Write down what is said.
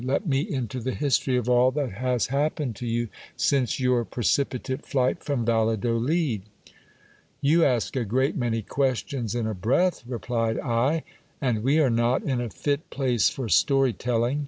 Let me into the history of all that has happened to you since your precipitate flight from Valladolid. You ask a great many questions in a breath, replied I ; and we are not in a fit place for story telling.